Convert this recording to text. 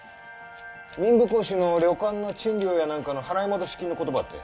民部公子の旅館の賃料やなんかの払い戻し金のことばってん。